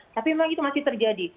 tapi memang itu masih terjadi